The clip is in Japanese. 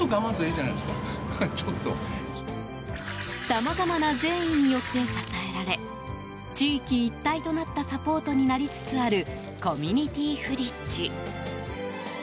さまざまな善意によって支えられ地域一体となったサポートになりつつあるコミュニティフリッジ。